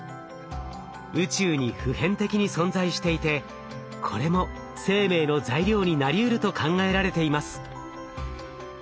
宇宙に普遍的に存在していてこれも生命の材料になりうると考えられています。